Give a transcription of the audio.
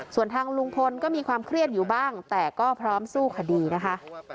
ส่วนทางลุงพลก็มีความเครียดอยู่บ้างแต่ก็พร้อมสู้คดีนะคะ